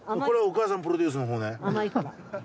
これお母さんプロデュースのほうね。